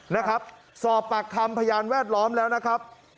นะครับสอบปากคำพยานแวดล้อมแล้วนะครับ